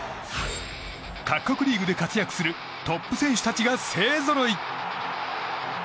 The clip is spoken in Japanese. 各国リーグで活躍するトップ選手たちが勢ぞろい。